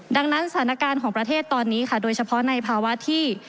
ดังนั้นสถานการณ์ของประเทศตอนนี้ค่ะโดยเฉพาะในภาวะที่